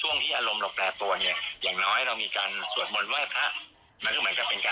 ช่วงที่อารมณ์เราแปลตัวอย่างน้อยเรามีการสวดหมนไว้พระ